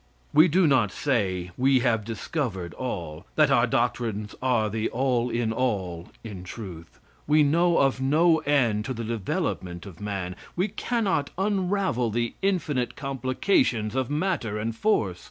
We do not say we have discovered all; that our doctrines are the all in all in truth. We know of no end to the development of man. We cannot unravel the infinite complications of matter and force.